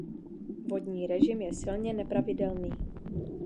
Vodní režim je silně nepravidelný.